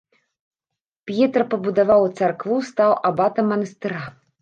П'етра пабудаваў царкву, стаў абатам манастыра.